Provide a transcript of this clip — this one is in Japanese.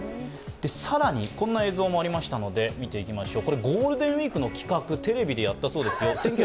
更にこんな映像もありましたので見ていきましょう。